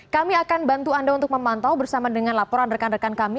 kami akan bantu anda untuk memantau bersama dengan laporan rekan rekan kami